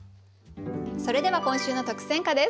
それでは今週の特選歌です。